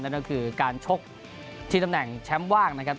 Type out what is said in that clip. นั่นก็คือการชกที่ตำแหน่งแชมป์ว่างนะครับ